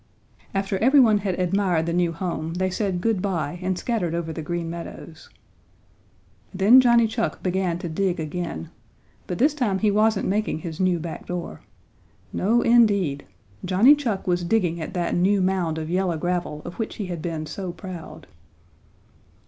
After every one had admired the new home, they said good bye and scattered over the Green Meadows. Then Johnny Chuck began to dig again, but this time he wasn't making his new back door. No indeed! Johnny Chuck was digging at that new mound of yellow gravel of which he had been so proud.